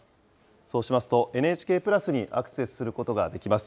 そうしますと、ＮＨＫプラスにアクセスすることができます。